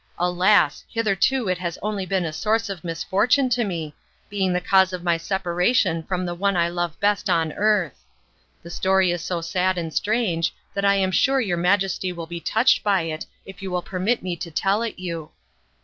Alas! hitherto it has been only a source of misfortune to me, being the cause of my separation from the one I love best on earth. The story is so sad and strange that I am sure your Majesty will be touched by it if you will permit me to tell it you."